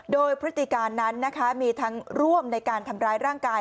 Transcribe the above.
โดยพฤติการนั้นนะคะมีทั้งร่วมในการทำร้ายร่างกาย